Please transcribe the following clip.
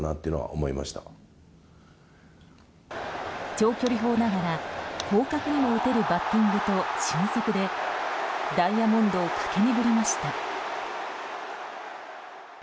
長距離砲ながら広角にも打てるバッティングと俊足でダイヤモンドを駆け巡りました。